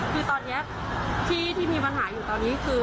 คือตอนนี้ที่มีปัญหาอยู่ตอนนี้คือ